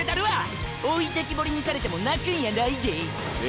置いてきぼりにされても泣くんやないで。